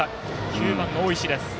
９番の大石です。